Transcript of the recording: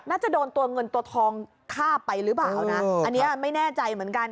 น่าจะโดนตัวเงินตัวทองฆ่าไปหรือเปล่านะอันนี้ไม่แน่ใจเหมือนกัน